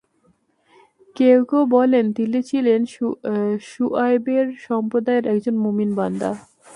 কেউ কেউ বলেন, তিনি ছিলেন শুয়ায়বের সম্প্রদায়ের একজন মুমিন বান্দা।